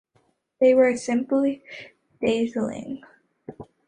They were simply dazzling.